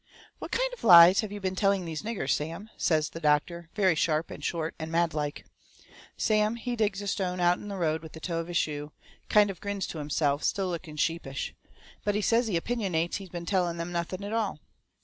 "What kind of lies have you been telling these niggers, Sam?" says the doctor, very sharp and short and mad like. Sam, he digs a stone out'n the road with the toe of his shoe, and kind of grins to himself, still looking sheepish. But he says he opinionates he been telling them nothing at all.